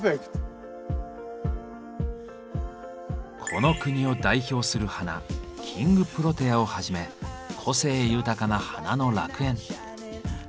この国を代表する花「キングプロテア」をはじめ個性豊かな花の楽園。